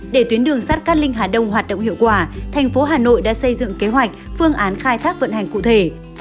để tuyến đường sát cát linh hà đông hoạt động hiệu quả thành phố hà nội đã xây dựng kế hoạch phương án khai thác vận hành cụ thể